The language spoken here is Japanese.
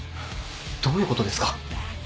どういうことですか？